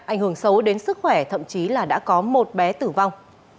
ảnh hưởng xấu đến sức khỏe thậm chí là đã có một bé tử vong